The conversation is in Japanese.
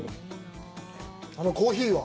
あのコーヒーは？